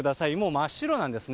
真っ白なんですね。